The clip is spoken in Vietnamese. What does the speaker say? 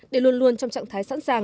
để luôn luôn trong trạng thái sẵn sàng